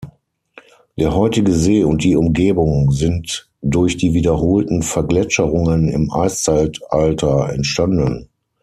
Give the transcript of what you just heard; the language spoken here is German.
Der heutige See und die Umgebung sind durch die wiederholten Vergletscherungen im Eiszeitalter entstanden.